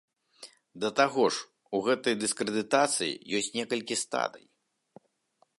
Да таго ж, у гэтай дыскрэдытацыі ёсць некалькі стадый.